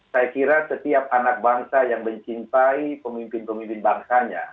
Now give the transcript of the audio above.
saya kira setiap anak bangsa yang mencintai pemimpin pemimpin bangsanya